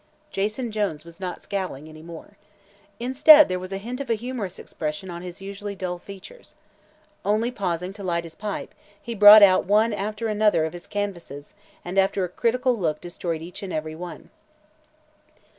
Jason Jones was not scowling any more. Instead, there was a hint of a humorous expression on his usually dull features. Only pausing to light his pipe, he brought out one after another of his canvases and after a critical look destroyed each and every one.